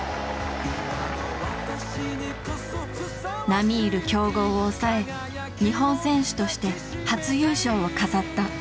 並み居る強豪を抑え日本選手として初優勝を飾った。